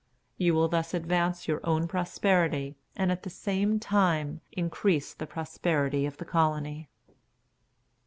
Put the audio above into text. You will thus advance your own prosperity, and at the same time increase the prosperity of the colony."